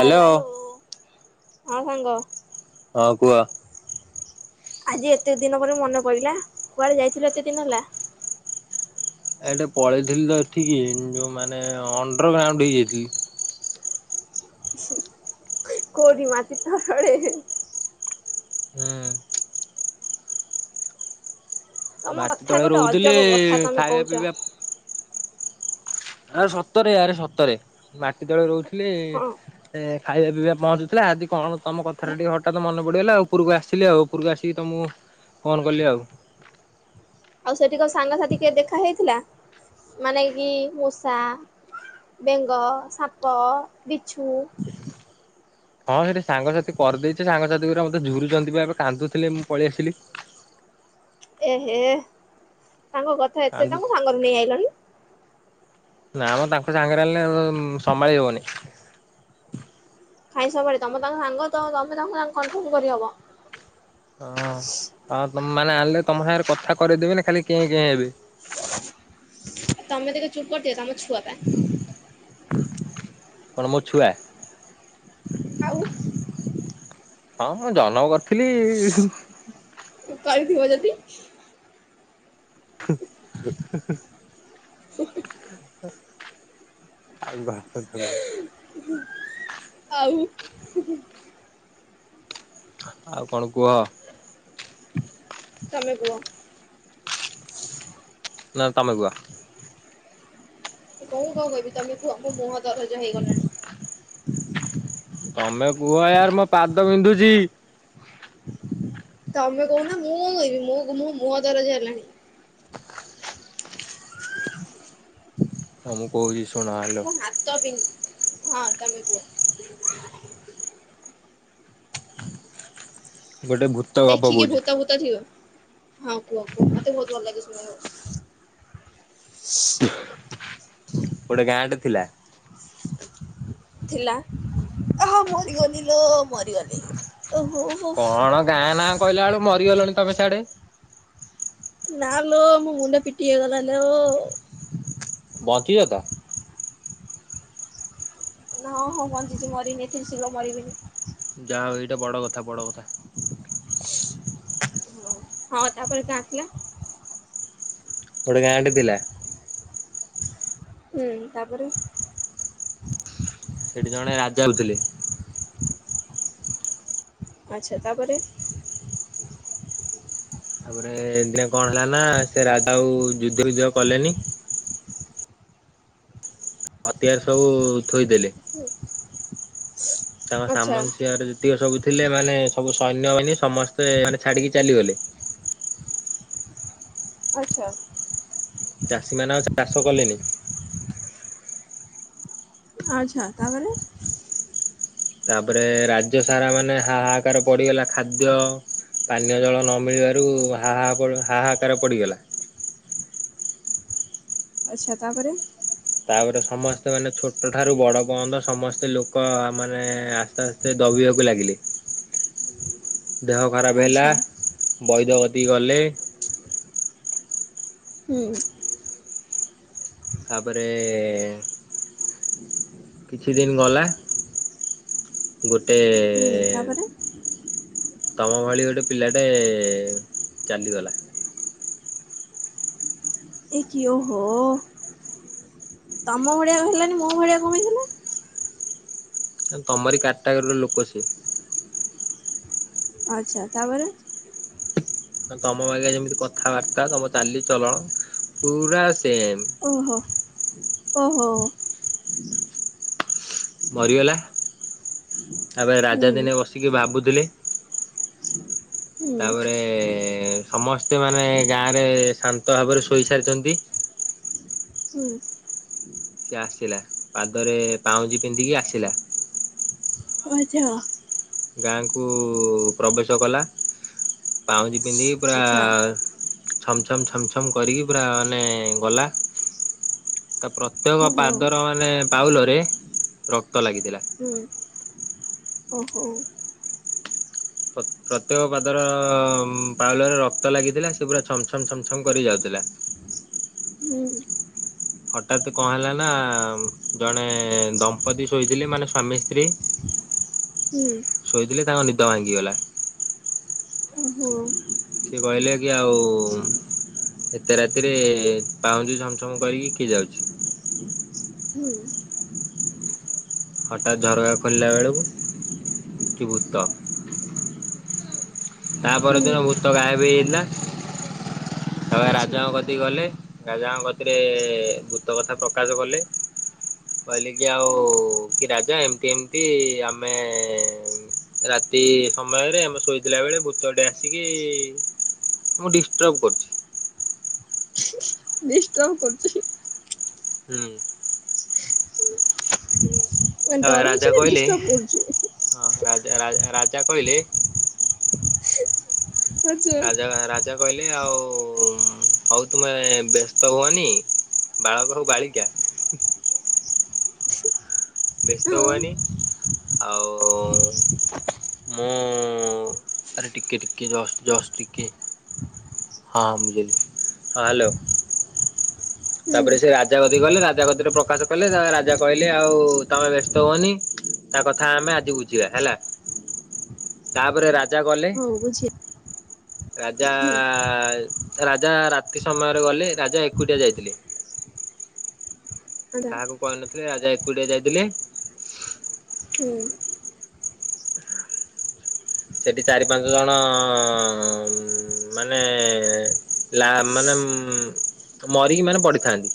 Hello hello ହଁ ସାଙ୍ଗ ହଁ କୁହ ଆଜି ଏତେ ଦିନ ପରେ ମନେ ପଇଲା କୁଆଡେ ଯାଇଥିଲ ଏତେ ଦିନ ହେଲା ଏ ଏଟେ ପଳେଇଥିଲି ତ ଏଠିକି ଯୋଉ ମାନେ ଅଣ୍ଡର ଗ୍ରାଉଣ୍ଡ ହେଇଯାଇଥିଲି କୋଡି ମାତି ତଡେ ହୁଁ ତମ ମାଟି କଥା ତଳେ ଗୋଟେ ରହୁଥିଲେ ଅଜବ କଥା ତମେ ଖାଇବା କହୁଛ ପିଇବା ଆରେ ସତରେ ଆରେ ସତରେ ମାଟି ତଳେ ରହୁଥିଲେ ହଁ ସେ ଖାଇବା ପିଇବା ପହଞ୍ଚୁଥିଲା ଆଜି କଣ ତମ କଥା ଟିକେ ହଠାତ୍ ମନ ପଡ଼ିଗଲା ଆଉ ଉପୂରକୁ ଆସିଲି ଆଉ ଉପୂରକୁ ଆସିକି ତ ମୁଁ ଫୋନ୍ କଲି ଆଉ ଆଉ ସେଠିକ ସାଙ୍ଗସାଥି କିଏ ଦେଖା ହେଇଥିଲା ମାନେ କି ମୂଷା ବେଙ୍ଗ ସାପ ବିଛୁ ହ ହଁ ସେଇଠି ସାଙ୍ଗସାଥି କରିଦେଇଛି ସାଙ୍ଗସାଥି ଗୁରା ମତେ ଝୁରୁଛନ୍ତି ବା ଏବେ କାନ୍ଦୁଥିଲେ ମୁଁ ପଳେଇ ଆସିଲି ଏହେ ତାଙ୍କ କଥା ଏତେ କାନ୍ଦୁ ତାଙ୍କୁ ସାଙ୍ଗରେ ନେଇ ଆଇଲନି ନା ମ ତାଙ୍କ ସାଙ୍ଗରେ ଆଣିଲେ ସମ୍ଭାଳି ହବନି କାଇଁ ସବାରେ ତମେ ତାଙ୍କ ସାଙ୍ଗ ତମେ ତାଙ୍କୁ କଣ୍ଟ୍ରୋଲ କରିହବ ହଁ ଆଉ ମାନେ ଆଣିଲେ ତମ ସାଙ୍ଗରେ କଥା କରିଦେବି ନା ଖାଲି କେ କେ ହେବି ତମେ ଦେଖ ଚୁଟ୍ କରିଦଅ ତମ ଛୁଆ ପା କଣ ମୋ ଛୁଆ ଆଉ ହଁଁ ମୁ ଜନମ କରିଥିଲି କରି ଥିବ ଯଦି ହେ ହେ ହେ ହେ ଆଉ ଭାତ ଖା ଆଉ ଆଉ କଣ କୁହ ତମେ କୁହ ନା ତମେ କୁୁହ ମୁଁ କଣ କହିବି ତମେ କୁହ ମୋ ମୁହଁ ଦରଜ ହେଇଗଲାଣି ତମେ କୁହ ୟାର ମୋ ପାଦ ବିନ୍ଧୁଛି ତମେ କହୁନ ମୁଁ କଣ କହିବି ମୁଁ ମୁହଁ ଦରଜ ହେଲାଣି ହଁ ମୁଁ କହୁଛି ଶୁଣ ହାଲ ତ ବିନ୍ ହଁ ମେ କୁହ ଗୋଟେ ଭୁ ଦେଖିକି ଭୂତ ଫୁତ ଥିବ ହଁ କୁହ କୁହ ମତେ ବହୁତ ଭଲ ଲାଗେ ଶୁଣ ଗୋଟେ ଗାଁଟେ ଥିଲା ଥିଲା ଆହା ମରିଗଲି ଲୋ ମରିଗଲି ଓହୋ ହୋ କଣ ଗାଁ ନାଁ କହିଲା ବେଳୁ ମରିଗଲଣି ତମେ ସିଆଡେ। ନାଁଲୋ ମୋ ମୁଣ୍ଡ ପିଟିହେଇଗଲା ଲୋ। ବଞ୍ଚିଚତ? ହଁ ହଁ ବଞ୍ଚିଛି ମରନି ଏତେ ଶୀଘ୍ର ମରିବିନି। ଯାହା ହଉ ଏଇଟା ବଡ଼ କଥା ବଡ଼ କଥା। ହଁ ତାପରେ କାହାର ଥିଲା। ଗୋଟେ ଗାଁ ଟେ ଥିଲା। ହୁଁ ତାପରେ। ସେଠି ଜଣେ ରାଜା ଆଉଥିଲେ। ଆଚ୍ଛା ତାପରେ। ତାପରେ ଦିନେ କଣ ହେଲା ନା ସେ ରାଜଆଉ ଯୁଦ୍ଧ ବିଜୟ କଲେନି। ହତିଆାର ସବୁ ଥୋଇଦେଲେ। ତାଙ୍କ ଆଚ୍ଛା। ସାମନ୍ତ ସିଂହାର ଯେତିକ ସବୁ ଥିଲେ ମାନେ ସବୁ ସୈନ୍ୟ ବାହିନୀ ସମସ୍ତେ ମାନେ ଛାଡିକି ଚାଲିଗଲେ। ଆଚ୍ଛା। ଚାଷୀମାନେ ଆଉ ଚାଷ କଲେନି। ଆଛା ତାପରେ? ତାପରେ ରାଜ୍ୟ ସାରା ମାନେ ହା ହାହାକାର ପଡିଗଲା ଖାଦ୍ୟ ପାନୀୟ ଜଳ ନ ମିଳିବାରୁ ହାହା ହାହାକାର ପଡ଼ିଗଲା। ଆଚ୍ଛା ତାପରେ? ତାପରେ ସମସ୍ତେ ମାନେ ଛୋଟ ଠାରୁ ବଡ ପଯ୍ୟନ୍ତ ସମସ୍ତେ ଲୋକ ମାନେ ଆସ୍ତେ ଆସ୍ ସେ ଦବିବାକୁ ଲାଗିଲେ। ଦେହ ଖରାପ ହେଲା ଆଚ୍ଛା ବୈଦ କତିକି ଗଲେ। ହୁଁ। ତାପରେ କିଛି ଦିନ ଗଲା ଗୋଟେ ହୁଁ ଏ ତାପରେ ତମ ଭଳି ଗୋଟେ ପିଲାଟେ ଚାଲିଗଲା। ଏ କି ଓହୋ ତମ ଭଳିଆକୁ ହେଲାନି ମୋ ଭଳିଆ କଣ ପାଇଁ ହେଲା। ତମରି କାଟାଗୋରି ର ଲୋକ ସେ। ଆଛା ତାପରେ? ତମ ବାଗିଆ ଯେମିତି କଥାବାର୍ତ୍ତା ତମ ଚାଲିଚଳଣ ପୁରା ସେମ। ଓହୋ ଓହୋ। ମରିଗଲା ତାପରେ ହୁଁ ରାଜା ଦିନେ ବସିକି ଭାବୁଥିଲେ। ହ ହୁଁ [inaudible] ତାପରେ ସମସ୍ତେ ମାନେ ଗାଁ ରେ ଶାନ୍ତ ଭାବରେ ଶୋଇ ସାରିଛନ୍ତି। ହୁଁ ସିଏ ଆସିଲା ପାଦରେ ପାଉଁଜି ପିନ୍ଧିକି ଆସିଲା। ଆଛା। ଗାଁକୁ ପ୍ରବେଶ କଲା ପାଉଁଜି ପିନ୍ଧିକି ପୁରା ଆଚ୍ଛା ଛମ ଛମ୍ ଛମ ଛମ୍ କରିକି ପୁରା ମାନେ ଗଲା ତା ପ୍ର ପ୍ରତ୍ୟେକ ଓହୋ ପାଦର ମାନେ ପାଉଲରେ ରକ୍ତ ଲାଗିଥିଲା। ହୁଁ ଓହୋ। ପ୍ରତ୍ୟେକ ପାଦର ପାଉଲରେ ରକ୍ତ ଲାଗିଥିଲା ସେ ପୁରା ଛମ ଛମ ଛମଛମ କରିକି ଯାଉଥିଲା। ହୁଁ [inaudible] ହଠାତ୍ କଣ ହେଲା ନା ଜଣେ ଦମ୍ପତି ଶୋଇଥିଲେ ମାନେ ସ୍ଵାମୀ ସ୍ତ୍ରୀ। ହୁଁ। ଶୋଇଥିଲେ ତାଙ୍କ ନିଦ ଭାଙ୍ଗିଗଲା। ଓହୋ। ସେ କହିଲେ କି ଆଉ ଏତେ ରାତିରେ ପାଉଁଜି ଝମଝମ କରିକି କିଏ ଯାଉଛି? ହୁଁ। ହଠାତ୍ ଝରକା ଖୋଲିଲା ବେଳକୁ କି ଭୂତ। ତା ପର ହୁଁ ଦିନ ଭୂତ ଗାଏବ୍ ହେଇଯାଇଥିଲା ତା ପରେ ଆଚ୍ଛା ରାଜାଙ୍କ କ ଗଲେ ରାଜାଙ୍କ କତିରେ ଭୂତ କଥା ପ୍ରକାଶ କଲେ। ମୁଁ କହିଲି କି ଆଉ କି ରାଜା ଏମିତି ଏମିତି ଆମେ ରାତି ସମୟରେ ଆମେ ଶୋଇଥିଲା ବେଳେ ଭୂତଟେ ଆସିକି ମୁଁ ଡିଷ୍ଟର୍ବ କରୁଛି। ହ [inaudible] ଡିଷ୍ଟର୍ବ କରୁଛି। ହୁଁ। ମାନେ ତା ପରେ ଡରଉଛି ରାଜା ନା କହିଲ ଡିଷ୍ଟର୍ବ କରୁଛି ହଁ ରାଜା ରାଜା କହିଲେ ହ [inaudible] ହଁ [inaudible] ରାଜା ରାଜା କହିଲେ ଆଉ ହଉ ତୁମେ ବ୍ୟସ୍ତ ହୁଅନି। ବାଳକ ହଉ ବାଳିକା ବ୍ୟସ୍ତ ହଁ ହୁଅନି? ଆଉ ମୁଁ ଆରେ ଟିକେ ଟିକେ ଜଷ୍ଟ ଜଷ୍ଟ ଟିକେ ହଁ ମୁଝିଲି ହଁ ହ୍ୟାଲୋ। ହୁଁ ତାପରେ ସେ ରାଜା କତିକି ଗଲେ ରାଜା କତିରେ ପ୍ରକାଶ କଲେ ତାପରେ ରାଜା କହିଲେ ଆଉ ତମେ ବ୍ୟସ୍ତ ହୁଅନି? ତା କଥା ଆମେ ଆଜି ବୁଝିବା ହେଲା ତାପରେ ରା ରାଜା ଗଲେ ହଉ ବୁଝି ରାଜା ହୁଁ ରାଜା ରାତି ସମୟରେ ଗଲେ ରାଜା ଏକୁଟିଆ ଯାଇଥିଲେ। ଆଚ୍ଛା କାହାକୁ କହିନଥିଲେ ରାଜା ଏକୁଟିଆ ଯାଇଥିଲେ। ହୁଁ। [inaudible] ସେଠି ଚାରି ପାଞ୍ଚ ଜଣ ମାନେ ଲା ମାନେ ମରିକି ମାନେ ପଡିଥାନ୍ତି।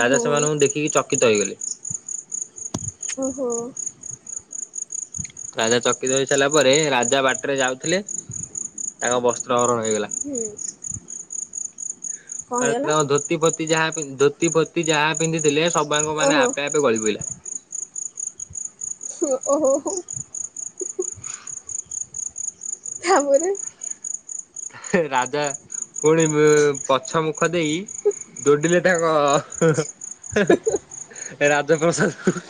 ରାଜା ସେମାନଙ୍କୁ ଦେଖିକି ଚକିତ ହେଇଗଲେ। ଓହୋ। ରାଜା ଚକିତ ହେଇ ସାରିଲା ପରେ ରାଜା ବାଟରେ ଯାଉଥିଲେ ତାଙ୍କ ବସ୍ତ୍ର ହରଣ ହେଇଗଲା। ହୁଁ। କଣ ହେଇଗଲା ତା ଧୋତି ଫୋତି ଯା ଧୋତି ଫୋତି ଯାହା ପିନ୍ଧିଥିଲେ ସବୁଯାଙ୍କ ମାନେ ଓହୋ ଆପେ ଆପେ ଗଳି ପଇଲା। ଓ ଓହୋ। ତାପରେ ରାଜା ପୁଣି ପଛ ମୁଖ ଦେଇ ଦୌଡ଼ିଲେ ତାଙ୍କ ରାଜପ୍ରସାଦକୁ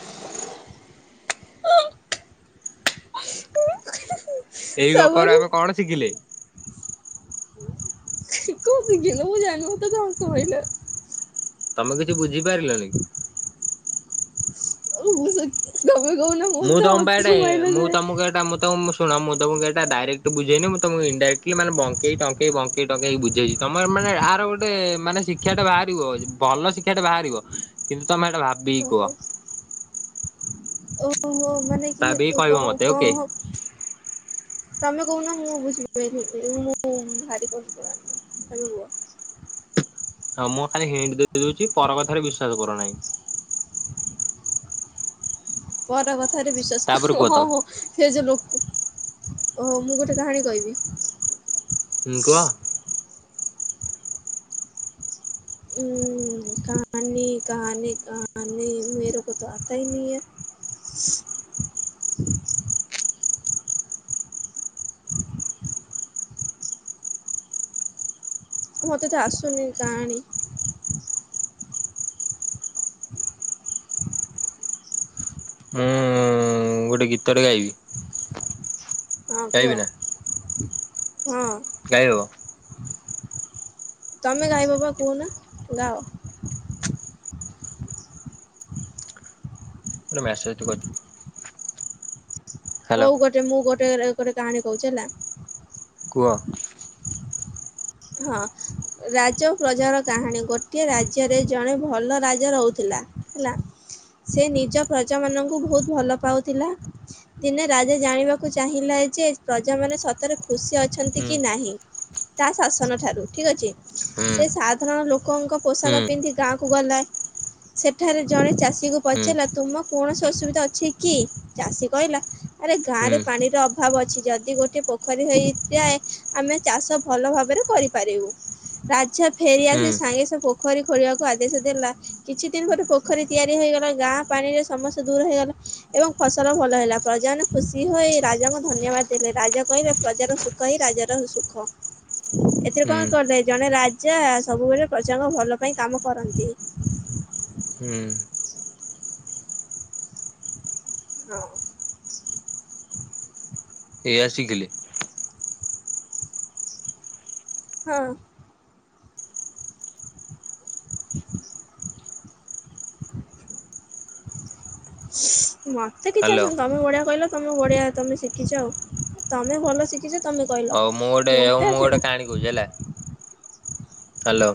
ଏଇ ଗପରୁ ତାପରେ ଆମେ କଣ ଶିଖିଲେ? [inaudible] ମତେ ତ ହସ ମାଇଲା। ତମେ କିଛି ବୁଝି ପାରିଲନି? ମୁଁ ସେ ତମେ କହୁନ? ମୁଁ ତ ତମ ପାଈଁ ହସ ଏଟା ମାଇଲା ମୁଁ ଯେ ତମକୁ ଏଟା ମୁଁ ତମ ଶୁଣ ମୁଁ ତୋମକୁ ଏଟା ଡାଇରେକ୍ଟ ବୁଝେଇନି ମୁଁ ତୋମକୁ ଇନଡାରେକ୍ଟଲି ମାନେ ବଙ୍କେଇ ଟଙ୍କେଇ ବଙ୍କେଇ ଟଙ୍କେଇ ବୁ ଝେଇଚି ତୋମର ମାନେ ଆର ଗୋଟେ ମାନେ ଶିକ୍ଷା ଟା ବାହାରିବ ଯେ ଭଲ ଶିକ୍ଷାଟେ ବାହାରିବ। କିନ୍ତୁ ତୋମେ ଏଟା ଭାବିକି କୁହ। ଓହୋ ଓହୋ ମାନେ କି ଭାବିକି କହିବ କଣ ମୋତେ ଓକେ। ତୋମେ କହୁନ ମୁଁ ବୁଝିବି [unintelligible] ମୁଁ ଭାରି କଷ୍ଟ [unintelligible] ତୋମେ କୁହ। ହଁ ମୁଁ ଖାଲି ହିଣ୍ଟି ଦେଇଦଉଛି ପର କଥାରେ ବିଶ୍ବାସ କରୁନାହିଁ। ପର କଥାରେ ବିଶ୍ଵାସ ତାପରେ କର କୁହ ହଁ, ତମେ ହଁ ସେ ଯେ ଲୋକ ଓହୋ, ମୁଁ ଗୋଟେ କାହାଣୀ କହିବି। ହୁଁ, କୁହ। [unintelligible] ମୋତେ ତ ଆସୁନି କାହାଣୀ। ଅଁ, ମୁଁ ଗୋଟେ ଗୀତଟେ ଗାଇବି। ହଁ ଗାଇବି କୁହ। ହଁ। ଗାାଇ ହବ। ତୋମେ ଗାଇବ ବା କୁହନା ଗାଅ। ଗୋଟେ ମେସେଜ୍ ଟେ କରି [inaudible] ହଉ ଗୋଟେ ମୁଁ ଗୋଟେ ରେ କରି କାହାଣୀ କହୁଛି ହେଲା। କୁହ। ହଁ ରାଜ ଓ ପ୍ରଜାର କାହାଣୀ, ଗୋଟିଏ ରାଜ୍ୟରେ ଜଣେ ଭଲ ରାଜା ରହୁଥିଲା। ହେଲା, ସେ ନିଜ ପ୍ରଜାମାନଙ୍କୁ ବହୁତ ଭଲ ପାଉଥିଲା। ଦିନେ ରାଜା ଜାଣିବାକୁ ଚାହିଁଲା ଯେ ପ୍ରଜା ମାନେ ସ ତରେ ଖୁସି ଅଛନ୍ତି ହୁଁ କି ନାହିଁ, ତା ଶାସନ ଠାରୁ ଠିକ ଅଛି। ହୁଁ ସେ ସା ସାଧାରଣ ଲୋକଙ୍କ ହୁଁ ପୋଷାକ ପିନ୍ଧି ଗାଁକୁ ଗଲେ ସେଠାରେ ଜଣେ ଚାଷୀକୁ ହୁଁ ପଚାରିଲା ତୁମ କୌଣସି ଅସୁବିଧା ଅଛି କି? ଚାଷୀ କହିଲା ଆରେ ଗାଁ ହୁଁ ରେ ପାଣିର ଅ ଅଭାବ ଅଛି ଯଦି ଗୋଟେ ପୋଖରୀ ହେଇଯାଏ ଆମେ ଚାଷ ଭଲ ଭାବରେ କରିପାରିବୁ। ରାଜା ଫେରି ହୁଁ ଆସି ସାଙ୍ଗେ ସେ ପୋଖରୀ ଖୋଳିବାକୁ ଆଦେଶ ଦେଲା। କିଛି ଦିନ ପରେ ପୋଖରୀ ତିଆରି ହେଇଗଲା, ଗାଁ ପାଣି ରେ ସମସ୍ୟା ଦୂର ହେଇଗଲା। ଏବଂ ଫସଲ ଭଲ ହେଲା, ପ୍ରଜାମାନେ ଖୁସି ହୋଇ ରାଜାଙ୍କୁ ଧନ୍ୟବାଦ ଦେଲେ। ରାଜା କହିଲେ ପ୍ରଜାର ସୁ କ ହି ରାଜର ସୁଖ। ଏଥିରେ ହୁଁ କଣ କଲେ? ଜଣେ ରାଜା ସବୁବେଳେ ପ୍ରଜାଙ୍କ ଭଲ ପାଇଁ କାମ କରନ୍ତି। ହୁଁ। ହଁ। ଏଇଆ ଶିଖିଲି। ହଁ। ହୁ ହ [inaudible] ମୋତେ କିଛି ହ୍ୟାଲୋ ଆସୁନି, ତୋମେ ବଢିଆ କହିଲ ତୋମେ ବଢ଼ିଆ, ତୋମେ ଶିଖିଛ, ତୋମେ ଭଲ ଶିଖିଛ। ତୋମେ ହଉ ମୁଁ ଗୋଟେ ହଉ ମୁଁ ଗୋଟେ କାହାଣୀ କହୁଚୁ ହେଲା। ହ୍ୟାଲୋ।